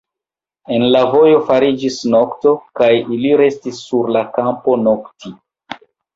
En la vojo fariĝis nokto, kaj ili restis sur la kampo nokti.